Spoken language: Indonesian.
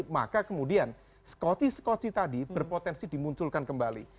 maka kemudian skoti skoti tadi berpotensi dimunculkan kembali